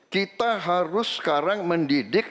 kita harus sekarang mendidik